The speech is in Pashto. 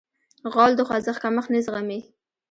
غول د خوځښت کمښت نه زغمي.